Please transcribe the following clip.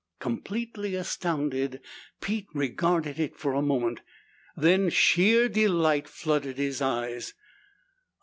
Completely astounded, Pete regarded it for a moment. Then sheer delight flooded his eyes.